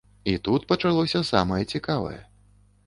І тут пачалося самае цікавае.